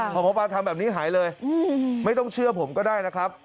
พอหมอปลาทำแบบนี้หายเลยไม่ต้องเชื่อผมก็ได้นะครับ